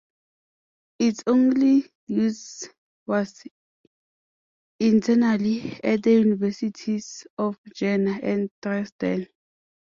Its only use was internally at the universities of Jena and Dresden.